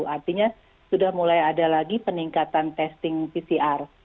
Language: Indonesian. artinya sudah mulai ada lagi peningkatan testing pcr